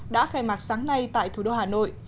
đã khai mạc sáng nay tại thủ đô hà nội